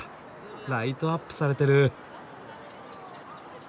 ライトアップされてる。